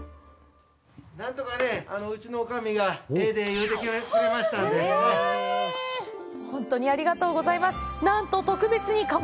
何とかね、うちの女将がええでぇ言うてくれましたんで。